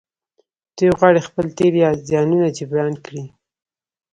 دوی غواړي خپل تېر زيانونه جبران کړي.